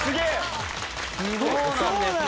そうなんですね。